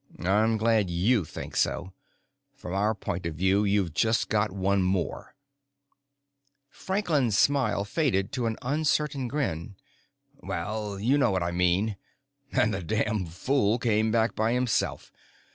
"I'm glad you think so. From our point of view, you've just got one more." Franklin's smile faded to an uncertain grin. "Well, you know what I mean. And the damned fool came back by himself.